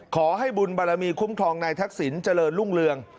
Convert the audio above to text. ขอให้บุญบารมีคุ้มครองนายทักษิณเจริญรุ่งเรือง